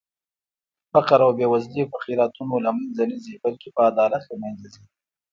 فقر او بې وزلي په خيراتونو لمنخه نه ځي بلکې په عدالت لمنځه ځي